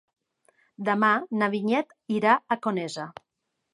Demà na Vinyet irà a Conesa.